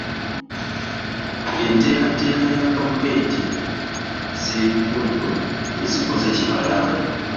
Enteekateeka ya Gavumenti z’Ebitundu tezikoze kimala.